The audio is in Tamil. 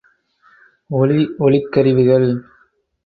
ஒலி ஒளிக் கருவிகள்.